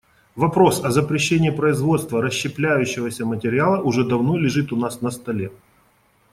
Вопрос о запрещении производства расщепляющегося материала уже давно лежит у нас на столе.